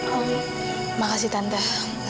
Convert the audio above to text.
oh terima kasih tante